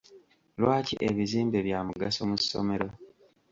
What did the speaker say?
Lwaki ebizimbe bya mugaso mu ssomero?